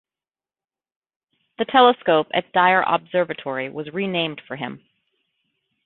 The telescope at Dyer Observatory was renamed for him.